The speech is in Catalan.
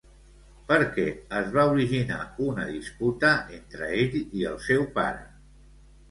Per què es va originar una disputa entre ell i el seu pare?